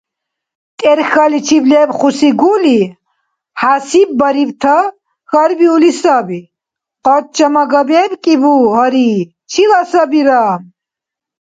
ТӀерхьаличиб лебхуси гули хӀясиббарибта хьарбиули саби: – Къача-мага бебкӀибу-гъари? Чила сабира?